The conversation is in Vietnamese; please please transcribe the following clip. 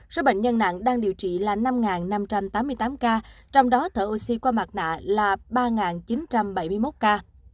số bệnh nhân nặng đang điều trị là năm năm trăm tám mươi tám ca trong đó thở oxy qua mặt nạ là ba chín trăm bảy mươi một ca